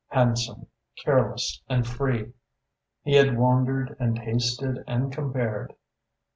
Handsome, careless, and free, he had wandered and tasted and compared.